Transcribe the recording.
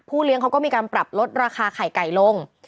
เลี้ยงเขาก็มีการปรับลดราคาไข่ไก่ลง